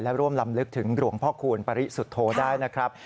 และร่วมลำลึกถึงหลวงพ่อคูณปริสุทธโธได้นะครับ